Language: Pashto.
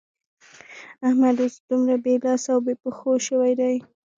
احمد اوس دومره بې لاس او بې پښو شوی دی.